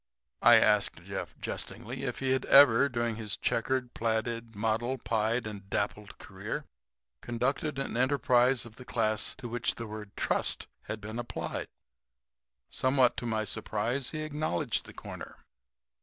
I asked Jeff, jestingly, if he had ever, during his checkered, plaided, mottled, pied and dappled career, conducted an enterprise of the class to which the word "trust" had been applied. Somewhat to my surprise he acknowledged the corner.